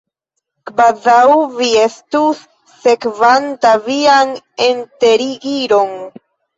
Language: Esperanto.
Kvazaŭ vi estus sekvanta vian enterigiron!